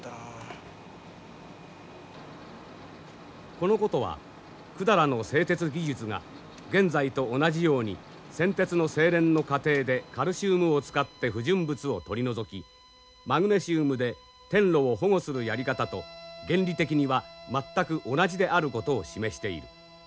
このことは百済の製鉄技術が現在と同じように銑鉄の精錬の過程でカルシウムを使って不純物を取り除きマグネシウムで転炉を保護するやり方と原理的には全く同じであることを示している。